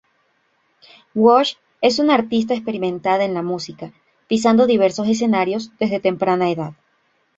Walsh es una artista experimentada en la música, pisando diversos escenarios desde temprana edad.